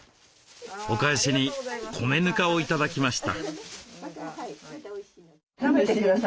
お返しに米ぬかを頂きました。